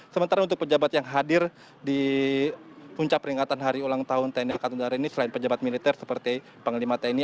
sementara untuk pejabat yang hadir di puncak peringatan hari ulang tahun tni angkatan udara ini selain pejabat militer seperti panglima tni